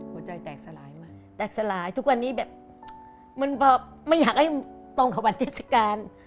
หัวใจแตกสลายมาแตกสลายทุกวันนี้แบบมันไม่อยากให้ตรงกับวันเทศกาล